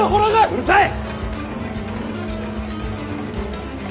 うるさい！